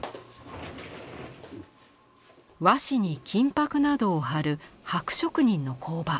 和紙に金箔などをはる箔職人の工場。